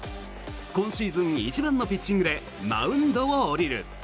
今シーズン一番のピッチングでマウンドを降りる。